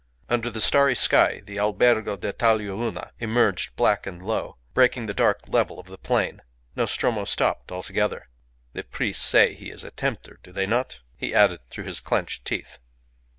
Under the starry sky the Albergo d'ltalia Una emerged, black and low, breaking the dark level of the plain. Nostromo stopped altogether. "The priests say he is a tempter, do they not?" he added, through his clenched teeth.